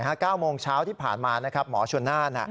วัน๙โมงเช้าที่ผ่านมาหมอชวนนาน